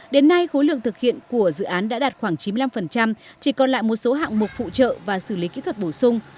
đến nay khối lượng thực hiện của dự án đã đạt khoảng chín mươi năm chỉ còn lại một số hạng mục phụ trợ và xử lý kỹ thuật bổ sung